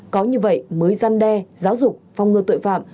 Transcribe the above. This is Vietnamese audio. có như vậy mới gian đe giáo dục phong ngừa tội phạm